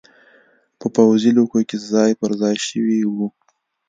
په پوځي لیکو کې ځای پرځای شوي وو